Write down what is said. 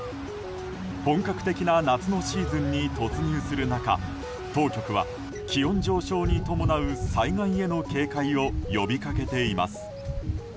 本格的な夏のシーズンに突入する中当局は気温上昇に伴う災害への警戒を呼びかけています。